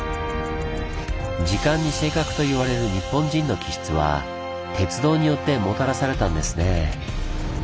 時間に正確といわれる日本人の気質は鉄道によってもたらされたんですね。